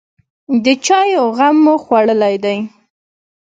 _د چايو غم مو خوړلی دی؟